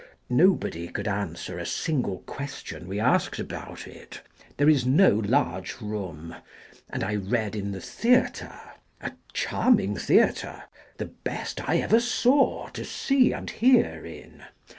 Nobody could answer a single question we asked about it. There is no large room, and I read in the Theatre — a charming Theatre. The best I ever saw, to see and hear in.